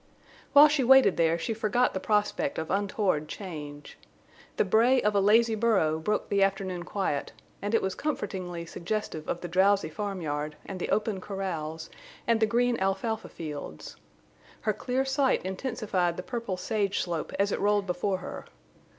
While she waited there she forgot the prospect of untoward change. The bray of a lazy burro broke the afternoon quiet, and it was comfortingly suggestive of the drowsy farmyard, and the open corrals, and the green alfalfa fields. Her clear sight intensified the purple sage slope as it rolled before her.